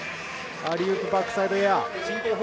アーリーウープバックサイドエア。